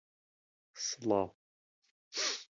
نەیدەهێشت بەردەستانی ساتێک بێکار و تەنبەڵ ڕایبوێرن